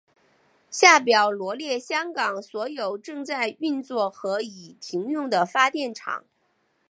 下表罗列香港所有正在运作和已停用的发电厂。